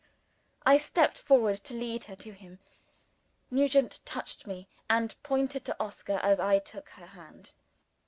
I stepped forward to lead her to him. Nugent touched me, and pointed to Oscar, as I took her hand.